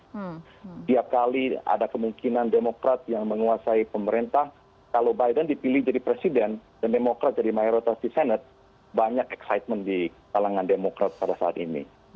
setiap kali ada kemungkinan demokrat yang menguasai pemerintah kalau biden dipilih jadi presiden dan demokrat jadi mayoritas di senet banyak excitement di kalangan demokrat pada saat ini